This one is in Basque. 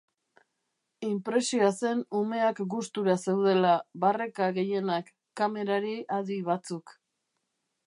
Inpresioa zen umeak gustura zeudela, barreka gehienak, kamerari adi batzuk.